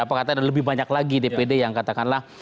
apa kata ada lebih banyak lagi dpd yang katakanlah